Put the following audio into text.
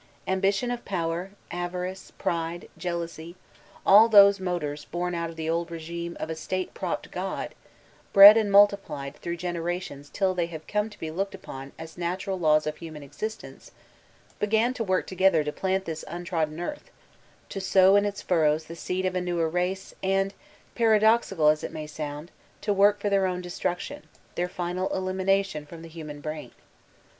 Ambition of power, Avarice, Pride, Jealousy, all those motors bom out of the old rigime of a State propped God, bred and multiplied through generations till they have come to be looked upon as natural laws of human existence, b^in to work together to plant this untrodden earth, to sow in its furrows the seed of a newer race— and, paradoxical as it may sound, to work for their own destruction, their final elimination from the human brain.